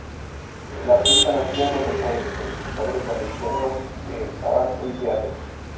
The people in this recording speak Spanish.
El artista nació en Buenos Aires, donde sus padres valencianos regentaban un teatro.